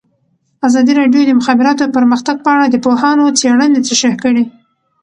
ازادي راډیو د د مخابراتو پرمختګ په اړه د پوهانو څېړنې تشریح کړې.